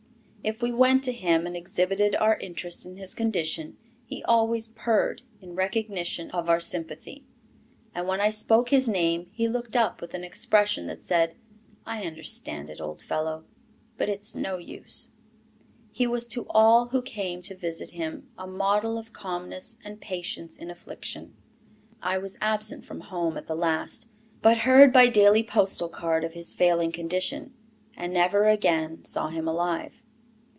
If we went to him and exhibited our interest in his condition, he always purred in recognition of our sympathy. And when I spoke his name, he looked up with an expression that said, "I understand it, old fellow, but it's no use." He was to all who came to visit him a model of calmness and patience in affliction. I was absent from home at the last, but heard by daily postal card of his failing condition; and never again saw him alive.